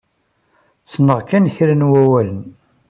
Ssneɣ kan kra n wawalen.